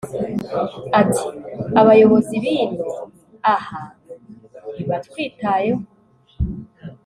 Ati “Abayobozi b’ino aha ntibatwitayeho